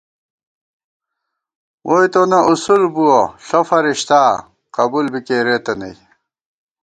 ووئی تونہ اُصول بُوَہ ، ݪہ فرِشتا ، قبُول بی کېرېتہ نئ